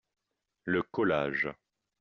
Le collage.